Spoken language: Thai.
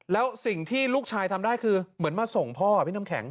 แล้วสิ่งที่ลูกชายทำได้คือเหมือนมาส่งพ่อพี่น้ำแข็ง